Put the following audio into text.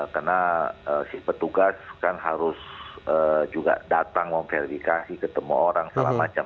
karena si petugas kan harus juga datang memverifikasi ketemu orang salah macam